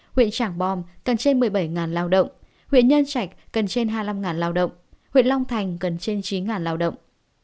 huyện trảng bom cần trên một mươi bảy lao động huyện nhân trạch cần trên hai mươi năm lao động huyện long thành gần trên chín lao động